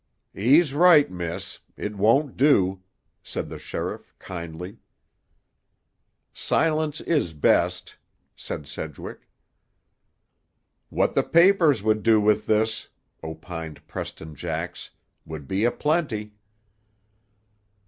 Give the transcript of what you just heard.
"He's right, miss. It won't do," said the sheriff kindly. "Silence is best," said Sedgwick. "What the papers would do with this," opined Preston Jax, "would be a plenty."